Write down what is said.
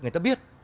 người ta biết